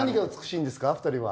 ２人は。